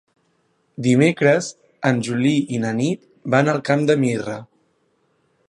Dimecres en Juli i na Nit van al Camp de Mirra.